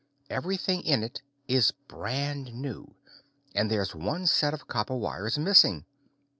Everything in it is brand new and there's one set of copper wires missing!